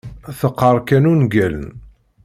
Teqqar kan ungalen.